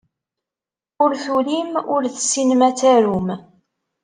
Ur turim, ur tessinem ad tarum.